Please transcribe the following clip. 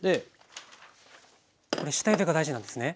下ゆでが大事なんですね？